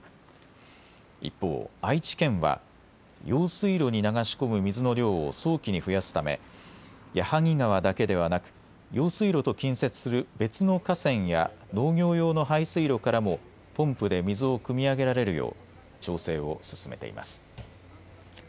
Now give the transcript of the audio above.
一方、愛知県は用水路に流し込む水の量を早期に増やすため矢作川だけではなく用水路と近接する別の河川や農業用の排水路からもポンプで水をくみ上げられるよう調整を進めています。